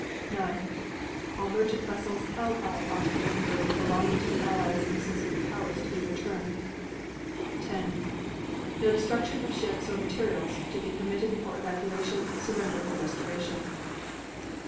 9. All merchant vessels held by Austria Hungary belonging to the Allies and associated Powers to be returned. 10. No destruction of ships or of materials to be permitted before evacuation, surrender or restoration.